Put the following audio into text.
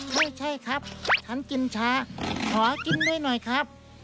ไม่ใช่ครับฉันกินช้าขอกินด้วยหน่อยครับ